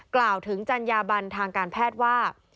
กล่าวถึงจัญญาบันทางการแพทย์ว่า